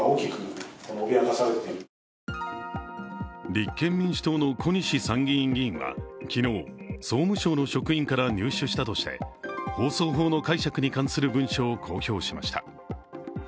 立憲民主党の小西参議院議員は昨日、総務省の職員から入手したとして、放送法の解釈に関する文書を公表しました。